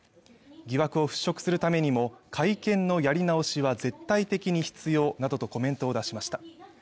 疑惑を払拭するためにも会見のやり直しは絶対的に必要などとコメントを出しました